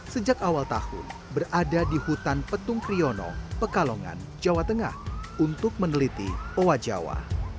sejak awal tahun berada di hutan petung kriono pekalongan jawa tengah untuk meneliti owa jawa